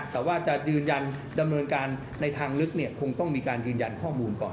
แต่ว่าจะยืนยันดำเนินการในทางลึกเนี่ยคงต้องมีการยืนยันข้อมูลก่อน